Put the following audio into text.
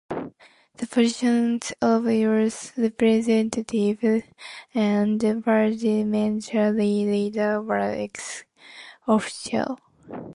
The positions of Youth Representative and Parliamentary Leader were "ex officio".